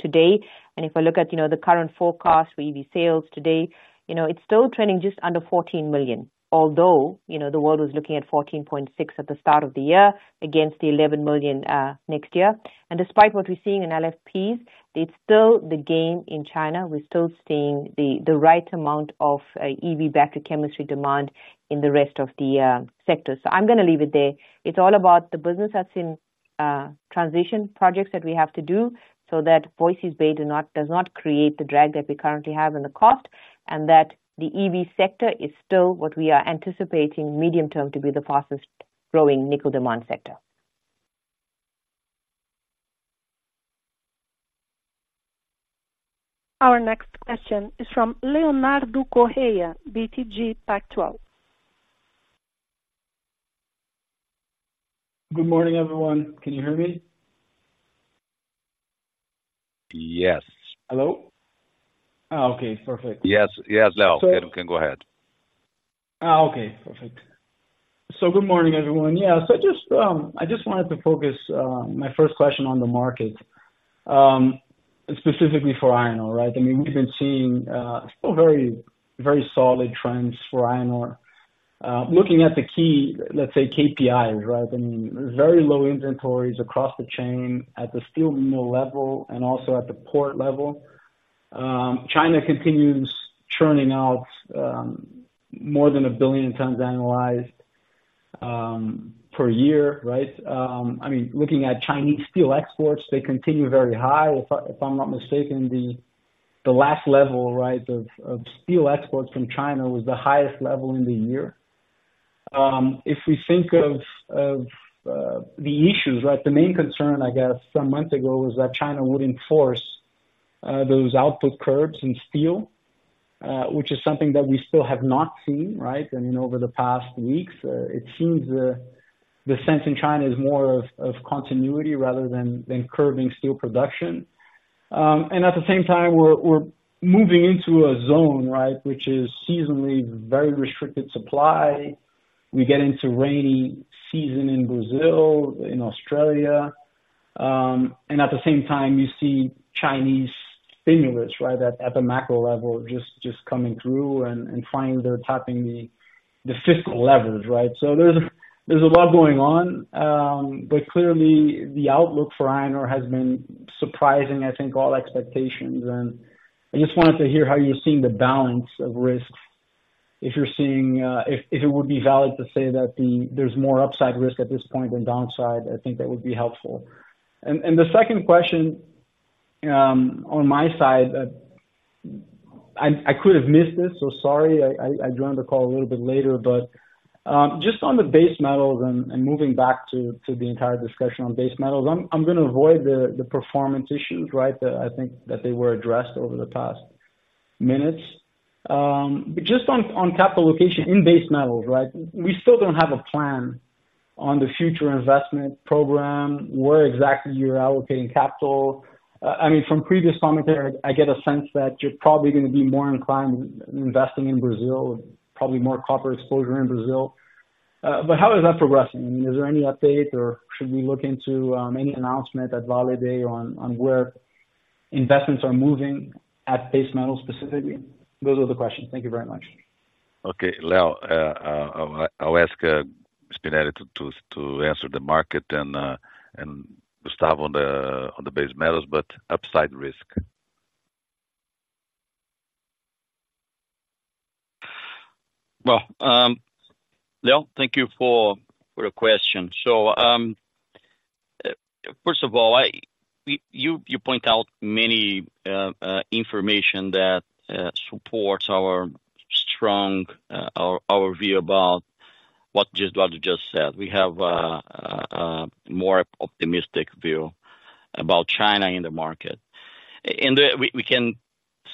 today. And if I look at, you know, the current forecast for EV sales today, you know, it's still trending just under 14 million, although, you know, the world was looking at 14.6 at the start of the year against the 11 million next year. And despite what we're seeing in LFPs, it's still the game in China. We're still seeing the right amount of EV battery chemistry demand in the rest of the sector. So I'm gonna leave it there. It's all about the business that's in transition, projects that we have to do, so that Voisey's Bay does not create the drag that we currently have in the cost, and that the EV sector is still what we are anticipating medium term to be the fastest growing nickel demand sector. Our next question is from Leonardo Correa, BTG Pactual. Good morning, everyone. Can you hear me? Yes. Hello? Oh, okay, perfect. Yes, yes, Leo, you can go ahead. Oh, okay. Perfect. So good morning, everyone. Yeah. So just, I just wanted to focus my first question on the market, specifically for iron ore, right? I mean, we've been seeing still very, very solid trends for iron ore. Looking at the key, let's say, KPIs, right? I mean, very low inventories across the chain at the steel mill level and also at the port level. China continues churning out more than 1 billion tons annualized per year, right? I mean, looking at Chinese steel exports, they continue very high. If I, if I'm not mistaken, the, the last level, right, of, of steel exports from China was the highest level in the year. If we think of the issues, right, the main concern, I guess, some months ago, was that China would enforce those output curbs in steel, which is something that we still have not seen, right? I mean, over the past weeks, it seems the sense in China is more of continuity rather than curbing steel production. And at the same time, we're moving into a zone, right, which is seasonally very restricted supply. We get into rainy season in Brazil, in Australia, and at the same time, you see Chinese stimulus, right, at the macro level, just coming through and trying they're tapping the fiscal levers, right? So there's a lot going on. But clearly the outlook for iron ore has been surprising, I think, all expectations. And I just wanted to hear how you're seeing the balance of risks, if you're seeing. If it would be valid to say that there's more upside risk at this point than downside, I think that would be helpful. And the second question, on my side, I could have missed this, so sorry, I joined the call a little bit later, but just on the base metals and moving back to the entire discussion on base metals, I'm gonna avoid the performance issues, right? I think that they were addressed over the past minutes. But just on capital allocation in base metals, right? We still don't have a plan on the future investment program, where exactly you're allocating capital. I mean, from previous commentary, I get a sense that you're probably gonna be more inclined investing in Brazil, probably more copper exposure in Brazil. But how is that progressing? I mean, is there any update or should we look into any announcement that validate on where investments are moving at base metal specifically? Those are the questions. Thank you very much. Okay, Leo, I'll ask Spinelli to answer the market and Gustavo on the base metals, but upside risk. Well, Leo, thank you for the question. So, first of all, you point out many information that supports our strong our view about what you just said. We have a more optimistic view about China in the market. And we can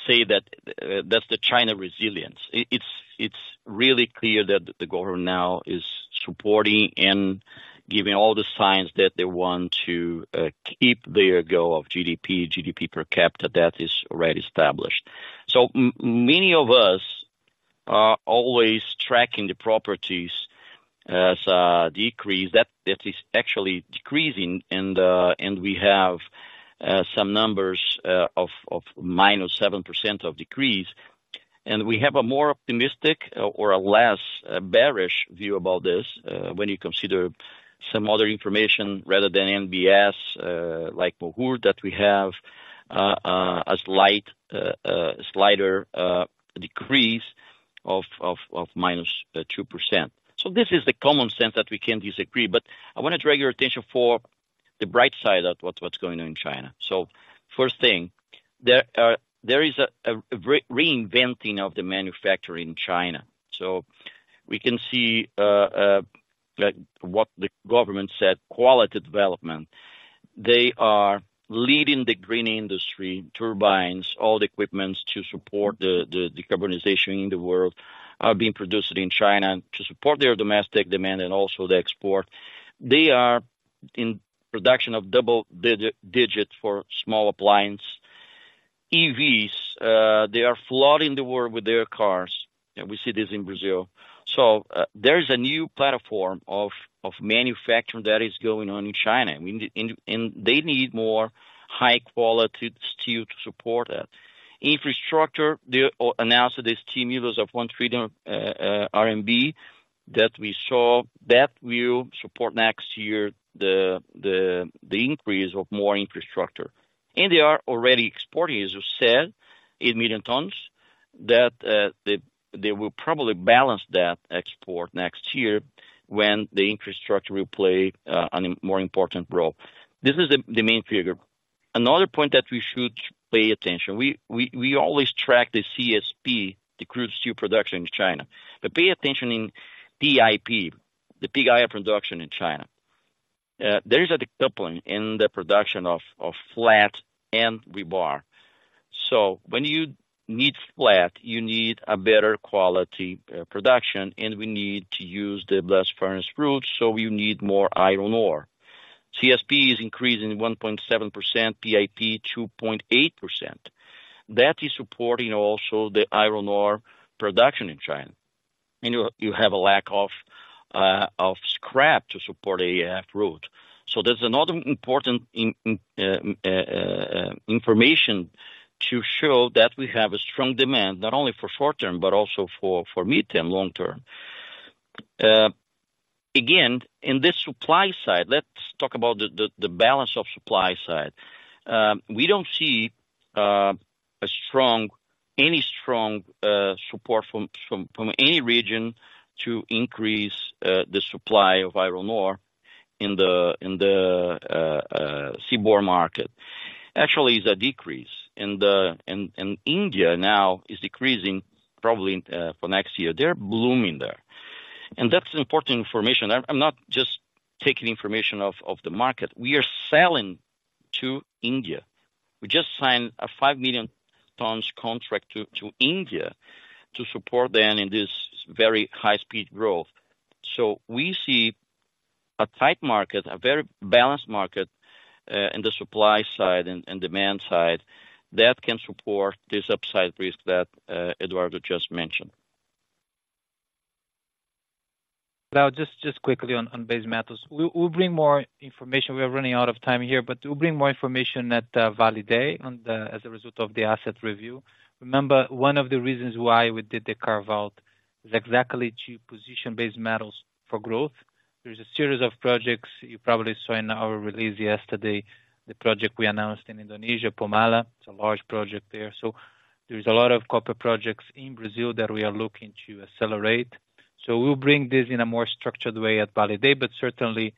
say that that's the China resilience. It's really clear that the government now is supporting and giving all the signs that they want to keep their goal of GDP per capita that is already established. So many of us are always tracking the properties as decrease that is actually decreasing and we have some numbers of -7% of decrease. We have a more optimistic or a less bearish view about this, when you consider some other information rather than NBS, likeMoHURD, that we have a slight, slider decrease of -2%. This is the common sense that we can't disagree, but I wanna draw your attention for the bright side of what's going on in China. First thing, there is a reinventing of the manufacturing in China. We can see, like what the government said, quality development. They are leading the green industry, turbines, all the equipment to support the decarbonization in the world, are being produced in China to support their domestic demand and also the export. They are in production of double-digit for small appliance. EVs, they are flooding the world with their cars, and we see this in Brazil. There is a new platform of manufacturing that is going on in China, and they need more high-quality steel to support that. Infrastructure, they announced this stimulus of 1 trillion RMB that we saw, that will support next year the increase of more infrastructure. They are already exporting, as you said, 8 million tons, that they will probably balance that export next year when the infrastructure will play a more important role. This is the main figure. Another point that we should pay attention, we always track the CSP, the crude steel production in China, but pay attention in PIP, the pig iron production in China.... There is a decoupling in the production of flat and rebar. So when you need flat, you need a better quality production, and we need to use the blast furnace route, so you need more iron ore. CSP is increasing 1.7%, PIP 2.8%. That is supporting also the iron ore production in China. You have a lack of scrap to support EAF route. So that's another important information to show that we have a strong demand, not only for short term, but also for midterm, long term. Again, in this supply side, let's talk about the balance of supply side. We don't see any strong support from any region to increase the supply of iron ore in the seaborne market. Actually, it's a decrease, and India now is decreasing probably for next year. They're blooming there. And that's important information. I'm not just taking information off the market. We are selling to India. We just signed a 5 million tons contract to India to support them in this very high-speed growth. So we see a tight market, a very balanced market, in the supply side and demand side, that can support this upside risk that Eduardo just mentioned. Now, just quickly on base metals. We'll bring more information. We are running out of time here, but we'll bring more information at Vale Day on the... as a result of the asset review. Remember, one of the reasons why we did the carve-out is exactly to position base metals for growth. There's a series of projects you probably saw in our release yesterday, the project we announced in Indonesia, Pomalaa. It's a large project there. So there's a lot of copper projects in Brazil that we are looking to accelerate. So we'll bring this in a more structured way at Vale Day, but certainly,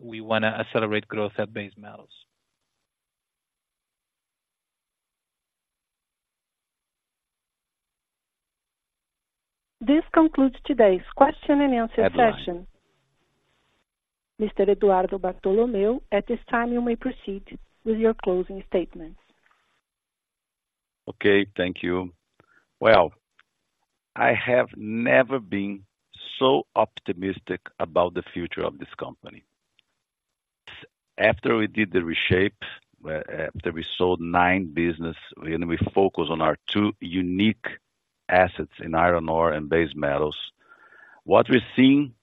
we wanna accelerate growth at base metals. This concludes today's question and answer session. Mr. Eduardo Bartolomeo, at this time, you may proceed with your closing statements. Okay. Thank you. Well, I have never been so optimistic about the future of this company. After we did the reshape, after we sold nine businesses, and we focus on our two unique assets in iron ore and base metals, what we're seeing,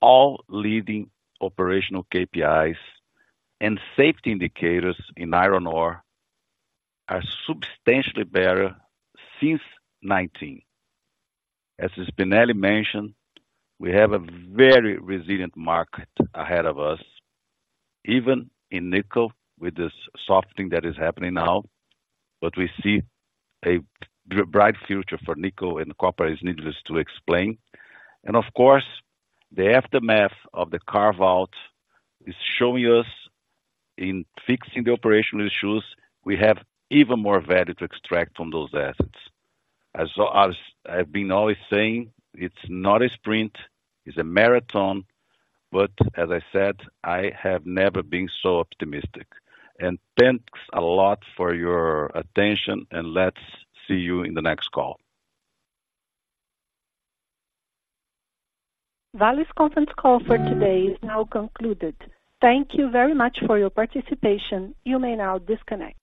all leading operational KPIs and safety indicators in iron ore are substantially better since 2019. As Spinelli mentioned, we have a very resilient market ahead of us, even in nickel, with this softening that is happening now, but we see a bright future for nickel, and copper is needless to explain. And of course, the aftermath of the carve-out is showing us in fixing the operational issues, we have even more value to extract from those assets. As I, as I've been always saying, it's not a sprint, it's a marathon, but as I said, I have never been so optimistic. Thanks a lot for your attention, and let's see you in the next call. Vale's conference call for today is now concluded. Thank you very much for your participation. You may now disconnect.